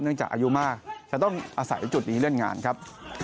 จากอายุมากจะต้องอาศัยจุดนี้เลื่อนงานครับ